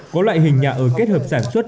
có loại hình nhà ở kết hợp sản xuất